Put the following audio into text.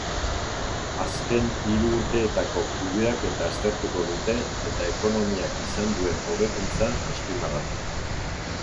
Azken hiru urteetako kudeaketa aztertuko dute eta ekonomiak izan duen hobekuntza azpimarratu.